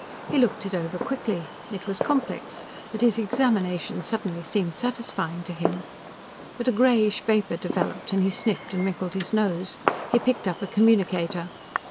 He looked it over quickly. It was complex, but his examination suddenly seemed satisfying to him. But a grayish vapor developed and he sniffed and wrinkled his nose. He picked up a communicator.